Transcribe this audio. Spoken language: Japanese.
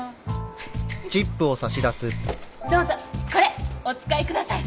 どうぞこれお使いください。